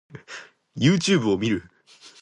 Youtube を見る